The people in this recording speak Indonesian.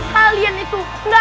kalian itu enggak